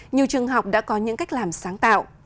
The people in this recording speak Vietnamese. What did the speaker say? nhiều trường học đã có những cách làm sáng tạo